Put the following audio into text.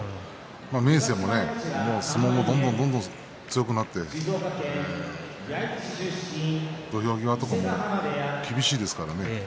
明生も相撲がどんどんどんどん強くなって土俵際とかも厳しいですからね。